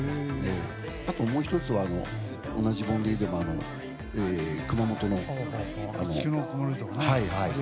あと、もう１つは同じ盆ギリでも熊本のね。